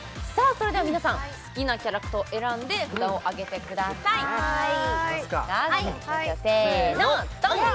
それでは皆さん好きなキャラクターを選んで札を上げてくださいいいですかせーのどん！